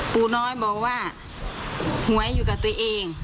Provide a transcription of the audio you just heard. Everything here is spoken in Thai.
ปู่น้อยบอกว่าหวยอยู่กับตัวเอง